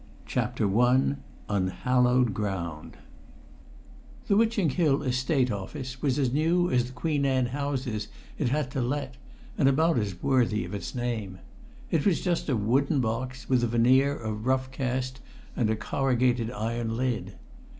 CHAPTER I Unhallowed Ground The Witching Hill Estate Office was as new as the Queen Anne houses it had to let, and about as worthy of its name. It was just a wooden box with a veneer of rough cast and a corrugated iron lid.